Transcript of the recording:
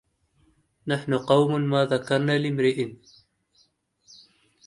نحن قوم ما ذكرنا لامريء